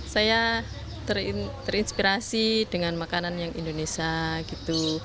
saya terinspirasi dengan makanan yang indonesia gitu